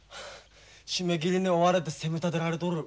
締め切りに追われて責めたてられとる。